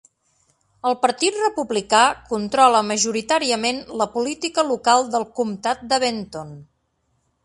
El partit republicà controla majoritàriament la política local del comtat de Benton.